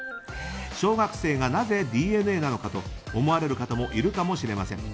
小学生がなぜＤＮＡなのかと思われる方もいるかもしれません。